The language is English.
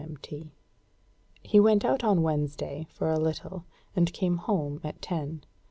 M.T." He went out on Wednesday for a little, and came home at ten.